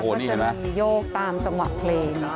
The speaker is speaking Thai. ค่ะแล้วก็จะมีโยกตามจังหวะเพลง